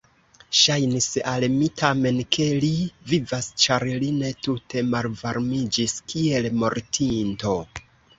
Ŝajnis al mi tamen, ke li vivas, ĉar li ne tute malvarmiĝis kiel mortinto.